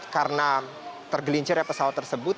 karena tergelincirnya pesawat tersebut